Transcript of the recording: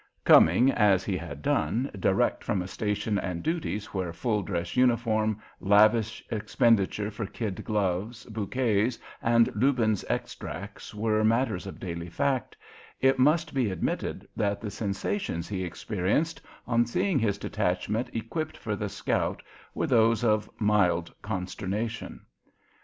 Coming, as he had done, direct from a station and duties where full dress uniform, lavish expenditure for kid gloves, bouquets, and Lubin's extracts were matters of daily fact, it must be admitted that the sensations he experienced on seeing his detachment equipped for the scout were those of mild consternation.